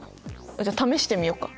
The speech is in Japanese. じゃあ試してみようか。